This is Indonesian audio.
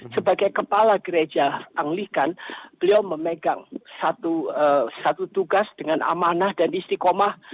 sebagai kepala gereja anglihkan beliau memegang satu tugas dengan amanah dan istiqomah